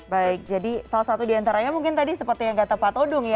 baik jadi salah satu diantaranya mungkin tadi seperti yang kata pak todung ya